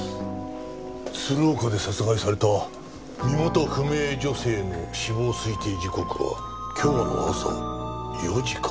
鶴岡で殺害された身元不明女性の死亡推定時刻は今日の朝４時から６時。